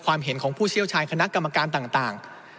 เห็นของผู้เชี่ยวชาญคณะกรรมการต่าง